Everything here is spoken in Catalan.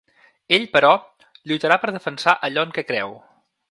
Ell, però, lluitarà per defensar allò en què creu.